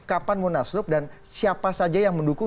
kapan munaslup dan siapa saja yang mendukung